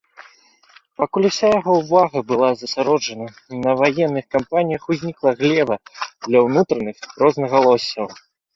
Пакуль уся яго ўвага была засяроджана на ваенных кампаніях, узнікла глеба для ўнутраных рознагалоссяў.